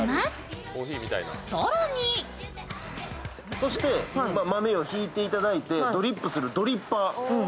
そして豆をひいていただいてドリップするドリッパー。